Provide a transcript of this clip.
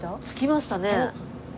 着きましたね。